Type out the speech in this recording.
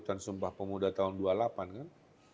dan sumpah pemuda tahun dua puluh delapan kan